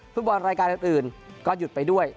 ฟุตบอลรายการอื่นก็หยุดไปด้วย